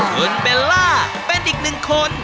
คุณเบลล่าเป็นอีกหนึ่งคน